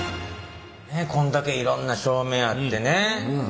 こんだけいろんな照明あってねで